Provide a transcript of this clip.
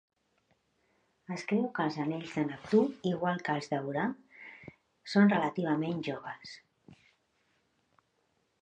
Es creu que els anells de Neptú, igual que els d'Urà, són relativament joves.